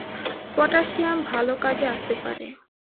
Potassium ভালো কাজে আসতে পারে।